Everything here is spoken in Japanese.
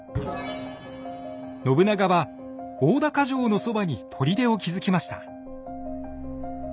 信長は大高城のそばに砦を築きました。